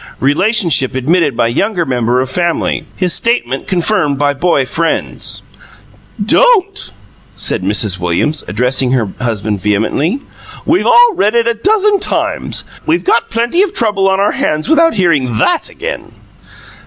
Relationship admitted by younger member of family. His statement confirmed by boy friends " "Don't!" said Mrs. Williams, addressing her husband vehemently. "We've all read it a dozen times. We've got plenty of trouble on our hands without hearing THAT again!"